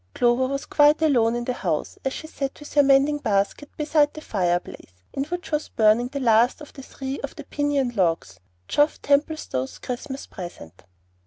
Clover was quite alone in the house, as she sat with her mending basket beside the fireplace, in which was burning the last but three of the piñon logs, Geoff Templestowe's Christmas present.